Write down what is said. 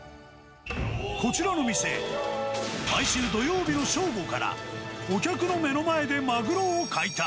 こちらの店、毎週土曜日の正午から、お客の目の前でマグロを解体。